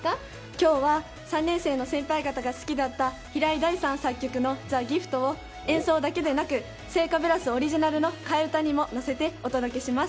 今日は３年生の先輩方が好きだった平井大さん作曲の「ＴＨＥＧＩＦＴ」を演奏だけでなく、精華ブラスオリジナルの替え歌にも乗せて、お届けします。